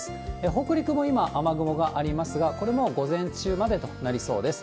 北陸も今、雨雲がありますが、これも午前中までとなりそうです。